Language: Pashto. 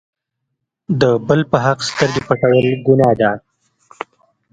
د بل په حق سترګې پټول ګناه ده.